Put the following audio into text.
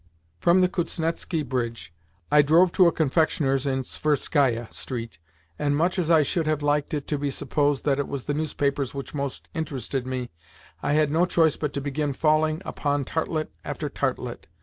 From the Kuznetski Bridge, I drove to a confectioner's in Tverskaia Street, and, much as I should have liked it to be supposed that it was the newspapers which most interested me, I had no choice but to begin falling upon tartlet after tartlet.